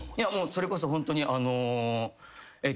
それこそホントにあの。